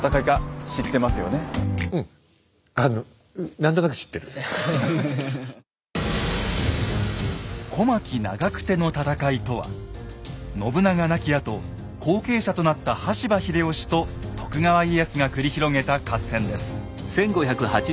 あのうん「小牧・長久手の戦い」とは信長亡きあと後継者となった羽柴秀吉と徳川家康が繰り広げた合戦です。